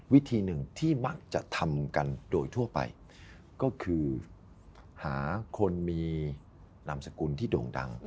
วิธีหนึ่งที่มักจะทำกันโดยทั่วไปก็คือหาคนมีนามสกุลที่โด่งดัง